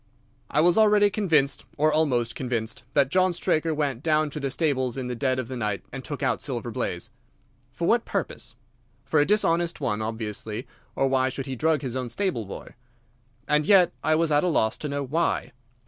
"I was already convinced, or almost convinced, that John Straker went down to the stables in the dead of the night and took out Silver Blaze. For what purpose? For a dishonest one, obviously, or why should he drug his own stable boy? And yet I was at a loss to know why.